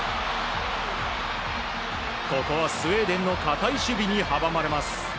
ここはスウェーデンの高い守備に阻まれます。